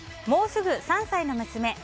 もうすぐ３歳の娘。